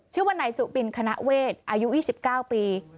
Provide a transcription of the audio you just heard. ชื่อวันไหนสุปินคณะเวทอายุ๒๙ปี